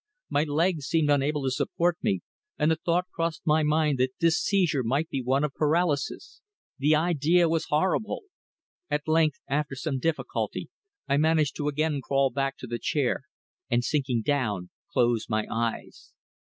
My legs seemed unable to support me, and the thought crossed my mind that this seizure might be one of paralysis. The idea was horrible. At length, after some difficulty, I managed to again crawl back to the chair, and sinking down, closed my eyes.